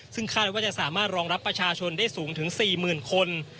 ซึ่งคาดว่าจะสามารถรองรับประชาชนได้สูงถึง๔๐๐๐คน